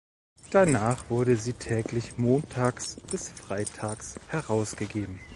Danach wurde sie täglich montags bis freitags herausgegeben.